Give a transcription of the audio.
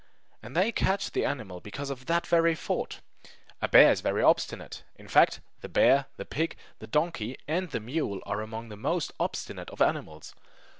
And they catch the animal because of that very fault! A bear is very obstinate; in fact the bear, the pig, the donkey, and the mule are among the most obstinate of animals.